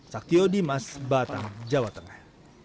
sakyo dimas batang jawa tengah